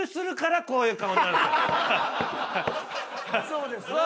そうですね。